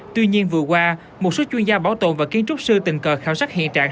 tuy nhiên vừa qua một số chuyên gia bảo tồn và kiến trúc sư tình cờ khảo sát hiện trạng